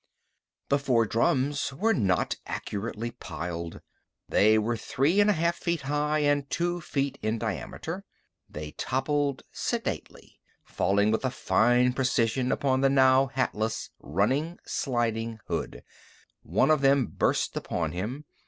The four drums were not accurately piled. They were three and a half feet high and two feet in diameter. They toppled sedately, falling with a fine precision upon the now hatless, running, sliding hood. One of them burst upon him.